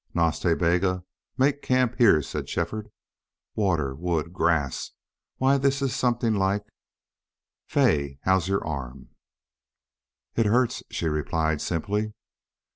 "Nas Ta Bega, make camp here," said Shefford. "Water wood grass why, this 's something like.... Fay, how's your arm?" "It hurts," she replied, simply.